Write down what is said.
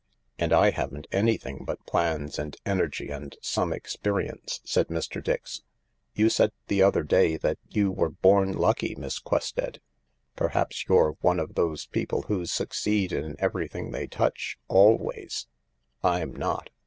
" And I haven't anything but plans and energy and some experience," said Mr. Dix. "You said the other day that you were born lucky, Miss Quested. Perhaps you're one of those people who succeed in everything they touch, alwaysJ I'm not.